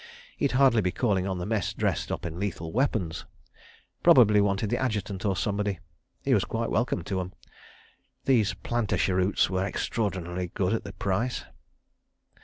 He'd hardly be calling on the Mess dressed up in lethal weapons. Probably wanted the Adjutant or somebody. He was quite welcome to 'em. ... These "planter" cheroots were extraordinarily good at the price.